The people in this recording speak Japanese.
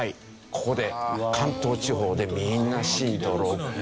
ここで関東地方でみんな震度６。